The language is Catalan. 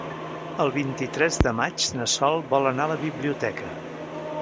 El vint-i-tres de maig na Sol vol anar a la biblioteca.